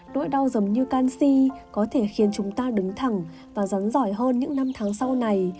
nỗi đau giống như canxi có thể khiến chúng ta đứng thẳng và rắn giỏi hơn những năm tháng sau này